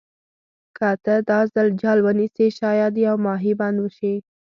که ته دا ځل جال ونیسې شاید یو ماهي بند شي.